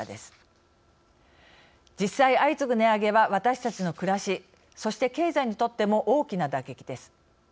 実際相次ぐ値上げは私たちの暮らしそして経済にとっても大きな打撃です。